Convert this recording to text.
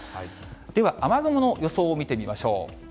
では雨雲の予想を見てみましょう。